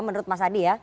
menurut mas adi ya